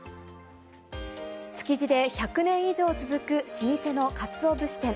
築地で１００年以上続く老舗のかつお節店。